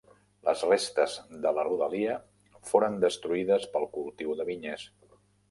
Les restes de la rodalia foren destruïdes pel cultiu de vinyes.